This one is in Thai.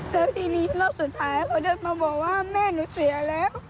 แล้วทีนี้รอบสุดท้ายเขาเดินมาบอกว่าแม่หนูเสียแล้ว